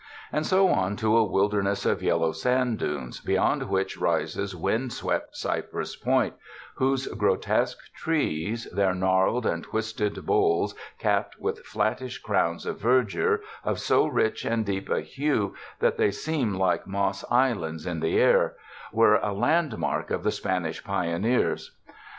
And so on to a wilderness of yellow sand dunes beyond which rises wind swept Cypress Point whose grotesque trees, their gnarled and twisted boles capped with flattish crowds of verdure of so rich and deep a hue that they seem like moss islands in the air, were a land mark of the Spanish pioneers.